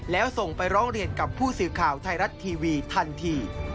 แล้วส่งไปร้องเรียนกับผู้สื่อข่าวไทยรัฐทีวีทันที